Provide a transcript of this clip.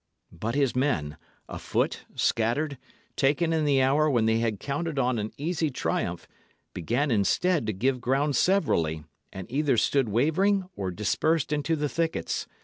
But his men afoot, scattered, taken in the hour when they had counted on an easy triumph began instead to give ground severally, and either stood wavering or dispersed into the thickets.